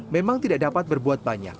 memang tidak dapat berbuat banyak